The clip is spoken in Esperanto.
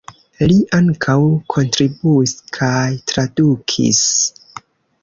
Li ankaŭ kontribuis kaj tradukis.